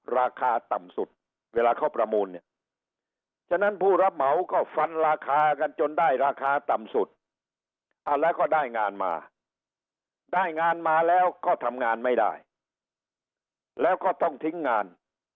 ราคาต่ำสุดเวลาเขาประมูลเนี่ยฉะนั้นผู้รับเหมาก็ฟันราคากันจนได้ราคาต่ำสุดแล้วก็ได้งานมาได้งานมาแล้วก็ทำงานไม่ได้แล้วก็ต้องทิ้งงาน